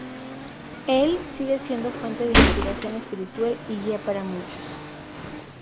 Él sigue siendo fuente de inspiración espiritual y guía para muchos.